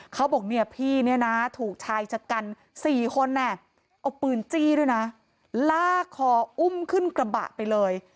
เขาบอกเนี่ยพี่เนี่ยนะถูกชายชะกัน๔คนเอาปืนจี้ด้วยนะลากคออุ้มขึ้นกระบะไปเลย